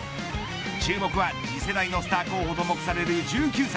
注目は次世代のスター候補と目される１９歳。